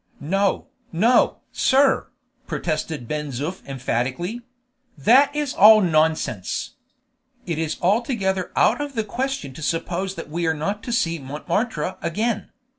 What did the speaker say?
"No, no, sir!" protested Ben Zoof emphatically; "that is all nonsense. It is altogether out of the question to suppose that we are not to see Montmartre again."